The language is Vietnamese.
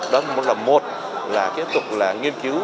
đó là một lần một là kết thúc là nghiên cứu